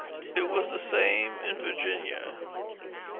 It was the same in Virginia.